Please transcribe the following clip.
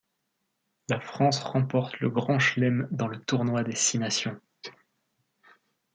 La France remporte le grand chelem dans le Tournoi des Six Nations.